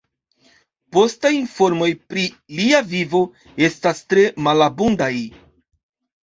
Postaj informoj pri lia vivo estas tre malabundaj.